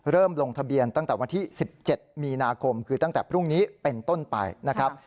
ลงทะเบียนตั้งแต่วันที่๑๗มีนาคมคือตั้งแต่พรุ่งนี้เป็นต้นไปนะครับ